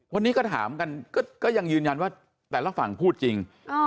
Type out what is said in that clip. วันนี้ก็ถามกันก็ยังยืนยันว่าแต่ละฝั่งพูดจริง